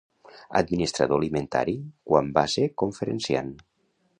Administrador Alimentari quan va ser conferenciant.